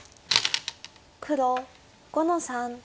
黒５の三。